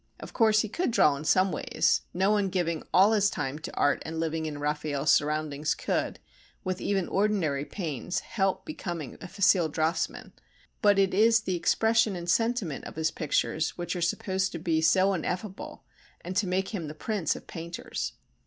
Of course he could draw in some ways, no one giving all his time to art and living in Raffaelle's surroundings could, with even ordinary pains, help becoming a facile draughtsman, but it is the expression and sentiment of his pictures which are supposed to be so ineffable and to make him the prince of painters.